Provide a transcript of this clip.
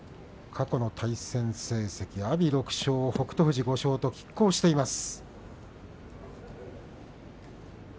過去の対戦成績阿炎６勝、北勝富士５勝ときっ抗しています。